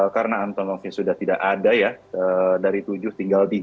karena antonovnya sudah tidak ada ya dari tujuh tinggal tiga